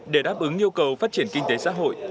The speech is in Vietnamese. để đáp ứng nhu cầu phát triển kinh tế xã hội